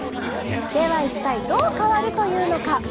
では一体どう変わるというのか？